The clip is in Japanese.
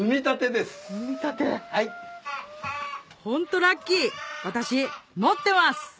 ホントラッキー私持ってます！